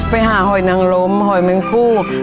ไปหาหอยนางล้มหอยแมงผู้